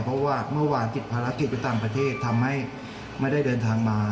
เพราะว่าเมื่อวานติดภารกิจไปต่างประเทศทำให้ไม่ได้เดินทางมา